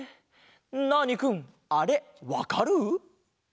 ナーニくんあれわかる？